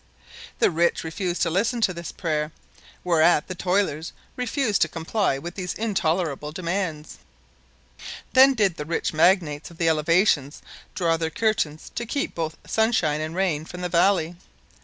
The rich refused to listen to this prayer, whereat the toilers refused to comply with these intolerable demands. Then did the rich magnates of the elevations draw their curtains to keep both sunshine and rain from the valley.